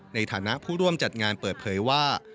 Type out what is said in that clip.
ในฐานะผู้ร่วมจัดงานเปิดเผยว่า